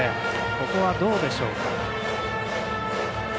ここはどうでしょうか。